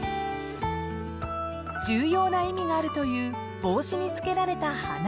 ［重要な意味があるという帽子に付けられた花］